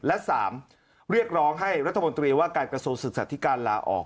และ๓เรียกร้องให้รัฐมนตรีว่าการกระทรวงศึกษาธิการลาออก